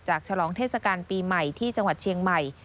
ฉลองเทศกาลปีใหม่ที่จังหวัดเชียงใหม่